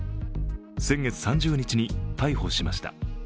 先月３０日に逮捕しました。